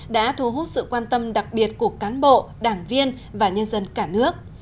đã thu hút sự quan tâm đặc biệt của cán bộ đảng viên và nhân dân cả nước